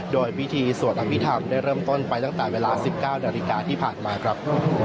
โดยพิธีสวดอภิษฐรรมได้เริ่มต้นไปตั้งแต่เวลา๑๙นาฬิกาที่ผ่านมาครับ